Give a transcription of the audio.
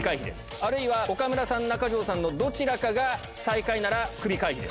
あるいは岡村さん、中条さんのどちらかが最下位なら、クビ回避です。